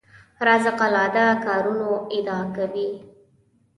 خارق العاده کارونو ادعا کوي.